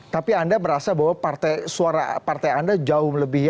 tapi anda merasa bahwa partai suara partai anda jauh